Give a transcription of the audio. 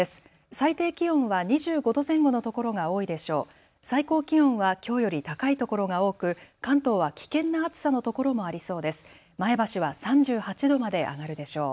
最低気温は２５度前後の所が多いでしょう。